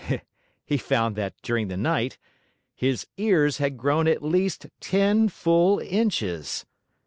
He found that, during the night, his ears had grown at least ten full inches!